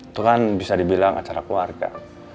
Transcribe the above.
itu kan bisa dibilang acara keluarga